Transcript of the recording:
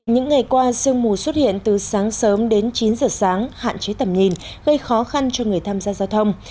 những ngày qua sương mù xuất hiện từ sáng sớm đến chín giờ sáng hạn chế tầm nhìn gây khó khăn cho người tham gia giao thông